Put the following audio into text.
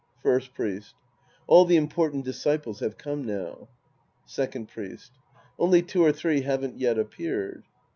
First Priest. All the important disciples have come now. Second Priest. Only two or three haven't yet appeared.